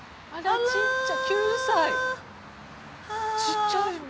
ちっちゃい。